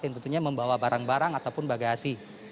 yang tentunya membawa barang barang ataupun bagasi